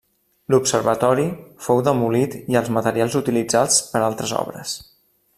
L'observatori fou demolit i els materials utilitzats per altres obres.